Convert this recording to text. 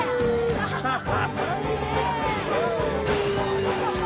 アハハハ！